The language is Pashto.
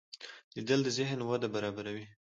لیدل د ذهن وده برابروي